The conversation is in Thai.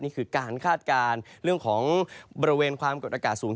นี่คือการคาดการณ์เรื่องของบริเวณความกดอากาศสูง